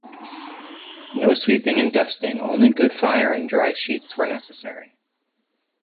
No sweeping and dusting, only good fire and dry sheets were necessary.